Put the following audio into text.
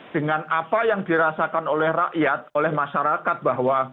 dengan apa yang dirasakan oleh rakyat oleh masyarakat bahwa